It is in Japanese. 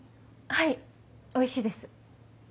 はいおいしいです。